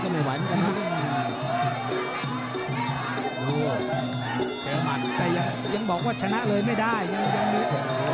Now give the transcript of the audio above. โชว์เลยโชว์แต่เลยนะครับเองสระชัย